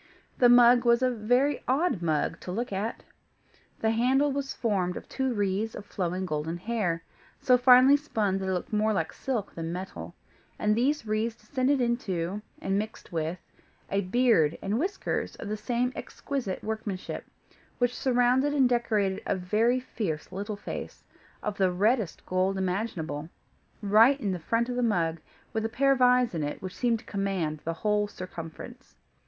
The mug was a very odd mug to look at. The handle was formed of two wreaths of flowing golden hair, so finely spun that it looked more like silk than metal, and these wreaths descended into, and mixed with, a beard and whiskers of the same exquisite workmanship, which surrounded and decorated a very fierce little face, of the reddest gold imaginable, right in the front of the mug, with a pair of eyes in it which seemed to command its whole circumference.